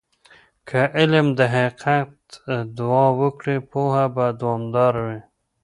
که علم د حقیقت دعا وکړي، پوهه به دوامدار وي.